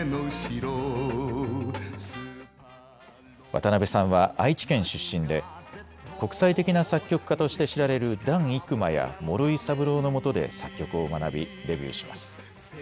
渡辺さんは愛知県出身で国際的な作曲家として知られる團伊玖磨や諸井三郎のもとで作曲を学びデビューします。